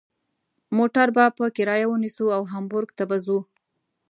موټر به په کرایه ونیسو او هامبورګ ته به ځو.